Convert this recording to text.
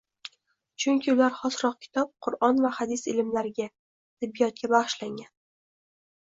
Chunki ular xosroq kitob, Qur’on va hadis ilmlariga, tibbiyotga bag‘ishlangan.